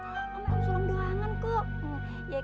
om sulam doangan kok